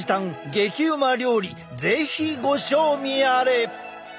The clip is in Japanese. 激うま料理是非ご賞味あれ！